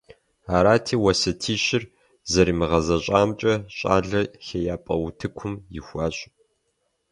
Арати уэсятищыр зэримыгъэзэщӀамкӏэ щӀалэр ХеяпӀэ утыкӀум ихуащ.